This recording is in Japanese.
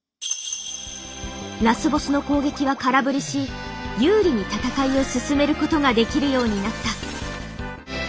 ラスボスの攻撃は空振りし有利に戦いを進めることができるようになった。